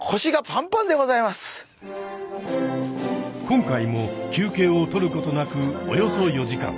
今回も休けいを取ることなくおよそ４時間。